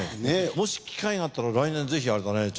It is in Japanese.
もし機会があったら来年ぜひあれだね。